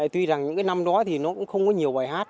tuy rằng những cái năm đó thì nó cũng không có nhiều bài hát